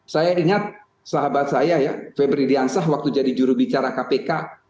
saya ingat sahabat saya ya febri diansah waktu jadi jurubicara kpk